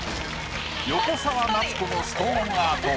横澤夏子のストーンアート